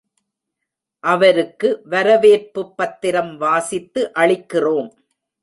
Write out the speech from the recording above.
அவருக்கு வரவேற்புப் பத்திரம் வாசித்து அளிக்கிறோம்.